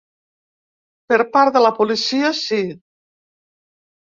Per part de la policia, sí.